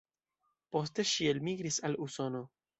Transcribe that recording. Poste ŝi elmigris al Usono.